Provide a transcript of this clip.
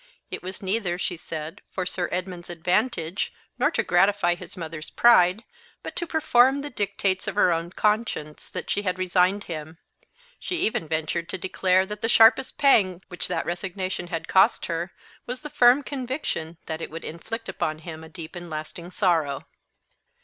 It was neither, she said, for Sir Edmund's advantage nor to gratify his mother's pride, but to perform the dictates of her own conscience, that she had resigned him; she even ventured to declare that the sharpest pang which that resignation had cost her was the firm conviction that it would inflict upon him a deep and lasting sorrow.